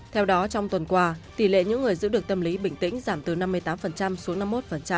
theo đó trong tuần qua tỷ lệ những người giữ được tâm lý bình tĩnh giảm từ năm mươi tám xuống năm mươi một